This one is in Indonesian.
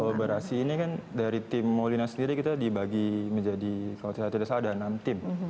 kolaborasi ini kan dari tim molina sendiri kita dibagi menjadi kalau tidak salah ada enam tim